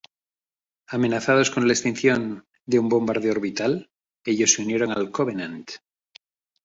Amenazados con la extinción de un bombardeo orbital, ellos se unieron al Covenant.